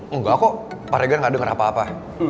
enggak kok pak regan gak denger apa apa